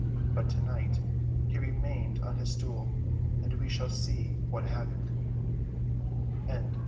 But to night he remained on his stool; and we shall see what happened.